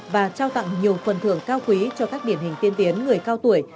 và trao tặng nhiều phần thưởng cao quý cho các điển hình tiên tiến người cao tuổi